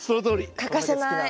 欠かせない。